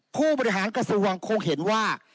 ผู้บริหารกระทรวงคงเห็นว่า